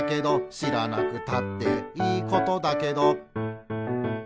「しらなくたっていいことだけど」